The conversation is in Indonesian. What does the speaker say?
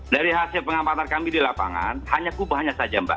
dari hasil pengamatan kami di lapangan hanya kubahnya saja mbak